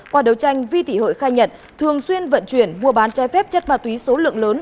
qua đấu tranh vi thị hụi khai nhận thường xuyên vận chuyển mua bán trái phép chất ma túy số lượng lớn